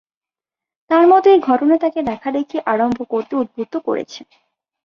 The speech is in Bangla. তার মতে, এই ঘটনা তাকে লেখালেখি আরম্ভ করতে উদ্বুদ্ধ করেছে।